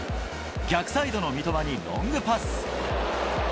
逆サイドの三笘にロングパス。